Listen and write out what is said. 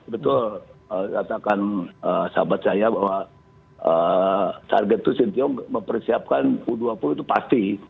betul katakan sahabat saya bahwa target itu sintiong mempersiapkan u dua puluh itu pasti